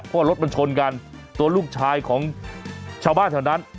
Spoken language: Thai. เพราะรถมันชนกันตัวลูกชายของชาวบ้านแถวนั้น